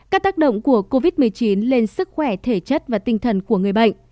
các tác động của covid một mươi chín lên sức khỏe thể chất và tinh thần của người bệnh